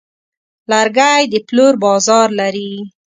لرګی د پلور بازار لري.